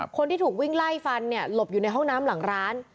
คนที่ถูกวิ่งไล่ฟันเนี่ยหลบอยู่ในห้องน้ำหลังร้าน